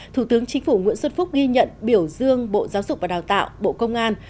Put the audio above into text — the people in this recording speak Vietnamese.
thủ tướng chính phủ nguyễn xuân phúc ghi nhận biểu dương bộ giáo dục và đào tạo bộ công an